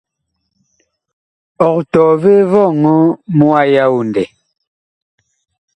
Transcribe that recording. Ɔg tɔɔ vee vɔŋɔ mu a yaodɛ ?́.